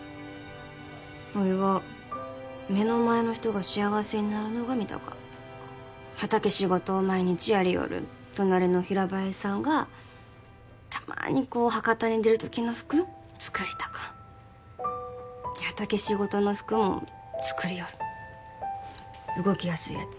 おいは目の前の人が幸せになるのが見たか畑仕事を毎日やりよる隣の平林さんがたまにこう博多に出る時の服作りたか畑仕事の服も作りよる動きやすいやつ